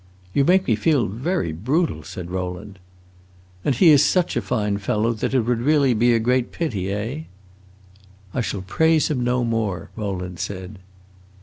"You make me feel very brutal," said Rowland. "And he is such a fine fellow that it would be really a great pity, eh?" "I shall praise him no more," Rowland said.